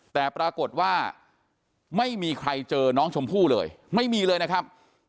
แต่ปรากฏว่าไม่มีใครเจอน้องชมพู่เลยไม่มีเลยนะครับ